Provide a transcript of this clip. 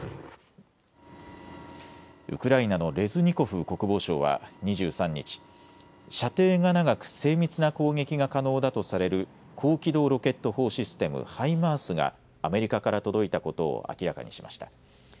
ウクライナのレズニコフ国防相は２３日、射程が長く精密な攻撃が可能だとされる高機動ロケット砲システムハイマースがアメリカから届いたことを明らかにしました。